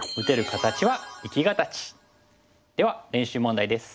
では練習問題です。